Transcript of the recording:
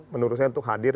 menurut saya untuk hadir